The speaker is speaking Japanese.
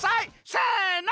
せの！